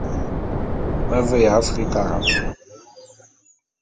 Me veya Afrikara.